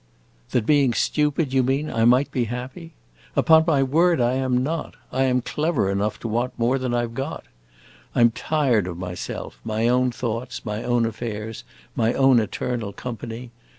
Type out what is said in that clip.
"That being stupid, you mean, I might be happy? Upon my word I am not. I am clever enough to want more than I 've got. I am tired of myself, my own thoughts, my own affairs, my own eternal company.